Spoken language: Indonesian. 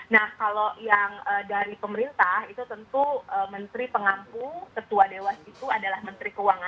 nah kalau yang dari pemerintah itu tentu menteri pengampu ketua dewas itu adalah menteri keuangan